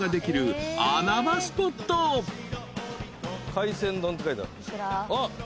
海鮮丼って書いてある。